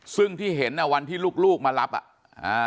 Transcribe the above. ซึ่งที่เห็นวันที่ลูกมารับอ่ะ